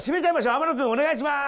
天野君お願いします！